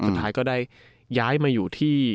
สุดท้ายก็ได้ย้ายมาอยู่ที่